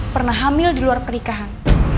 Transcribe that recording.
pernah hamil di luar pernikahan